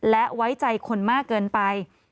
และไว้ใจคนมากเกินไป